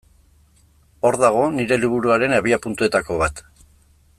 Hor dago nire liburuaren abiapuntuetako bat.